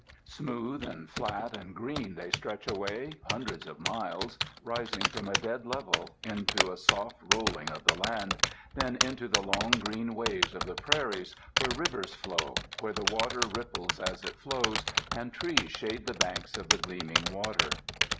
Smooth and flat and green they stretch away, hundreds of miles, rising from a dead level into a soft rolling of the land, then into the long green waves of the prairies where rivers flow, where the water ripples as it flows, and trees shade the banks of the gleaming water.